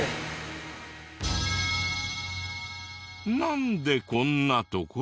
なんでこんな所に。